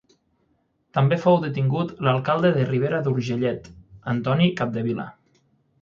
També fou detingut l'alcalde de Ribera d'Urgellet, Antoni Capdevila.